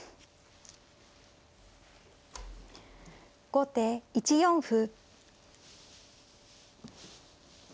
後手１四歩。